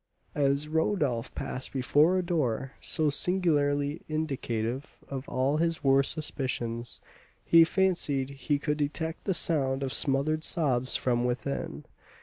As Rodolph passed before a door so singularly indicative of all his worst suspicions, he fancied he could detect the sound of smothered sobs from within.